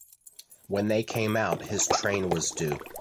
When they came out his train was due.